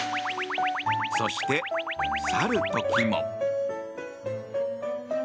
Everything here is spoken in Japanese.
そして、去る時も。